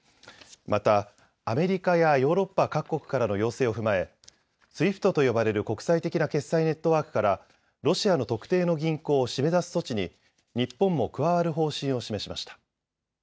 またアメリカやヨーロッパ各国からの要請を踏まえＳＷＩＦＴと呼ばれる国際的な決済ネットワークからロシアの特定の銀行を締め出す措置に日本も加わる方針を示しました。